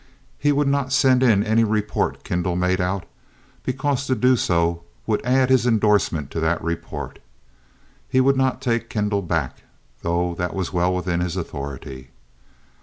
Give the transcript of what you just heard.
He would not send in any report Kendall made out, because to do so would add his endorsement to that report. He would not take Kendall back, though that was well within his authority.